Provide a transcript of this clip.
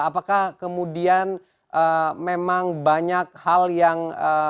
apakah kemudian memang banyak hal yang